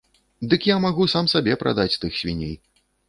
Дык я магу сам сабе прадаць тых свіней.